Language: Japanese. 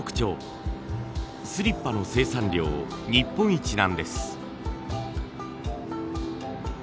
スリッパの生産量日本一なんです。